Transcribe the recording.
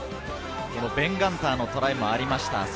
ベン・ガンターのトライもありました。